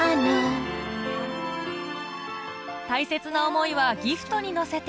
大切な思いはギフトに乗せて